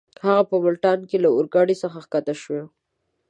هغه په ملتان کې له اورګاډۍ څخه کښته شو.